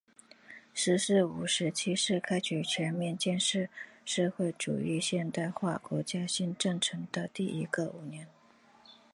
“十四五”时期是开启全面建设社会主义现代化国家新征程的第一个五年。